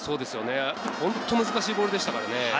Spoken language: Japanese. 本当に難しいボールでしたからね。